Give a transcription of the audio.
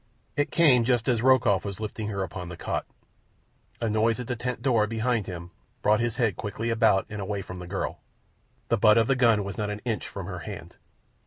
It came just as Rokoff was lifting her upon the cot. A noise at the tent door behind him brought his head quickly about and away from the girl. The butt of the gun was not an inch from her hand.